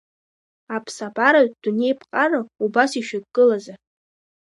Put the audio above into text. Аԥсабаратә дунеиԥҟара убас ишьақәгылазар?